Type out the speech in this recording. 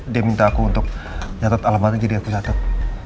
dia minta aku untuk nyatet alamatnya jadi aku nyatet